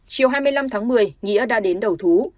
chiều hai mươi năm tháng một mươi nghĩa đã đến đầu thú